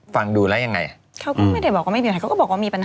ฟังดูแล้วยังไงเขาก็ไม่ได้บอกว่าไม่มีอะไรเขาก็บอกว่ามีปัญหา